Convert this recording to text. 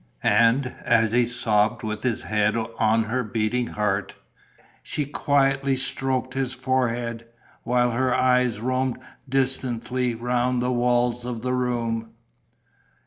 And, as he sobbed with his head on her beating heart, she quietly stroked his forehead, while her eyes roamed distantly round the walls of the room....